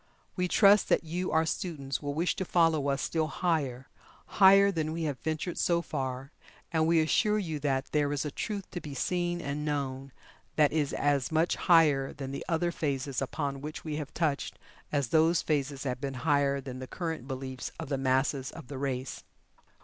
We trust that you our students will wish to follow us still higher higher than we have ventured so far, and we assure you that there is a Truth to be seen and known that is as much higher than the other phases upon which we have touched, as those phases have been higher than the current beliefs of the masses of the race.